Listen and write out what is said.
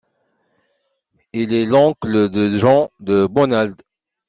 Il est l'oncle de Jean de Bonald.